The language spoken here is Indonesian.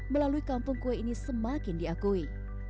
melalui kampung kue ini semakin diakui